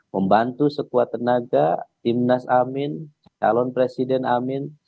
membantu sekuat tenaga timnas amin calon presiden amin